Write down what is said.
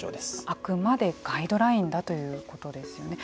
あくまでガイドラインだということですよね。